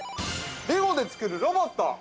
レゴで作るロボット。